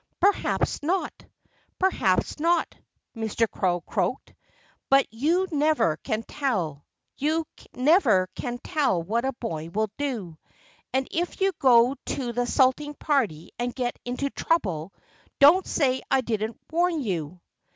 "Perhaps not! Perhaps not!" Mr. Crow croaked. "But you never can tell. You never can tell what a boy will do. And if you go to the salting party and get into trouble, don't say I didn't warn you!"